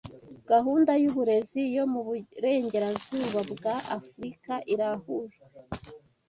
gahunda y'uburezi yo muburengerazuba bwa afrika irahujwe